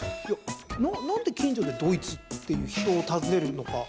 なんで、近所でどいつ？っていう人を尋ねるのか。